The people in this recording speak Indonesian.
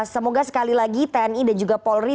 semoga sekali lagi tni dan juga polri